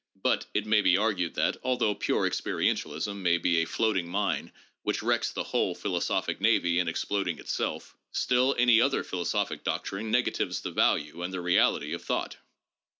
But it may be argued that, although pure experientialism may be a floating mine which wrecks the whole philosophic navy in exploding itself, still any other philosophic doctrine negatives the value and the reality of thought.